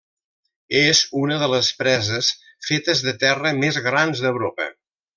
És una de les preses fetes de terra més grans d'Europa.